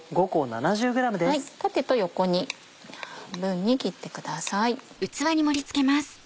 縦と横に半分に切ってください。